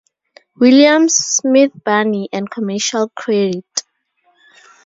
Williams, Smith Barney and Commercial Credit.